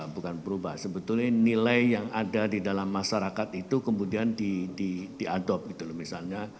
bukan berubah sebetulnya nilai yang ada di dalam masyarakat itu kemudian diadopt gitu loh misalnya